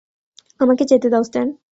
আমাকে যেতে দাও, স্ট্যান।